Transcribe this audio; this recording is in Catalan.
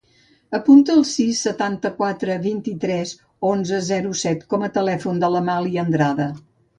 Apunta el sis, setanta-quatre, vint-i-tres, onze, zero, set com a telèfon de l'Amàlia Andrada.